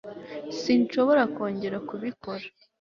sinshobora kongera kubikora